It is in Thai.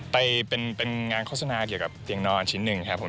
ไปเป็นงานโฆษณาเกี่ยวกับเตียงนอนชิ้นหนึ่งครับผม